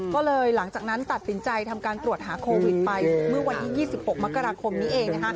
ก็เลยหลังจากนั้นตัดสินใจทำการตรวจหาโควิดไปเมื่อวันที่๒๖มกราคมนี้เอง